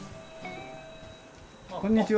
こんにちは。